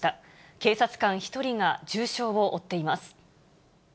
警察官１人が重傷を負っています。